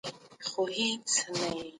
فارابي د افلاطون په څېر فکرو کاوه.